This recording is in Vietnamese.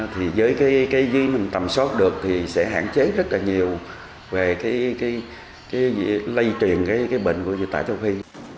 thì với cái duyên mình tầm soát được thì sẽ hạn chế rất là nhiều về cái lây truyền cái bệnh của dự tải châu phi